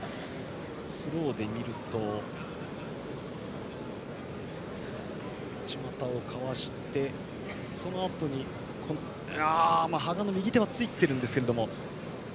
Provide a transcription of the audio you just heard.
スローで見ると、内股をかわしてそのあとに羽賀の右手はついているんですけれども。